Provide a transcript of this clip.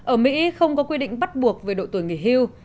ở mỹ không có quy định bắt buộc về độ tuổi nghỉ hưu